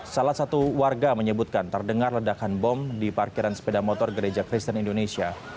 salah satu warga menyebutkan terdengar ledakan bom di parkiran sepeda motor gereja kristen indonesia